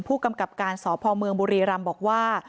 ผู้กำกับการสพมบรำบอกว่า